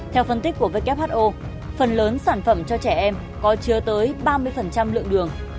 theo phân tích của who phần lớn sản phẩm cho trẻ em có chứa tới ba mươi lượng đường